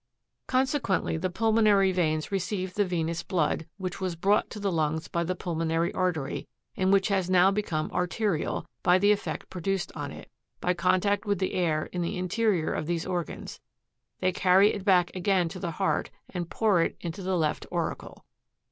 Consequently, the pulmonary veins receive the venous blood, which was brought to the lungs by the pulmonary artery, and which has now become arterial, by the effect produced on it, by contact with the air in the interior of these organs ; they carry it back again to the heart and pour it into the left auricle.